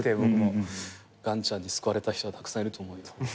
岩ちゃんに救われた人たくさんいると思う。